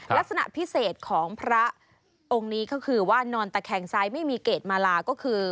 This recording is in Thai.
ลักษณะพิเศษของพระองค์นี้ก็คือว่านอนตะแคงซ้ายไม่มีเกรดมาลาก็คือ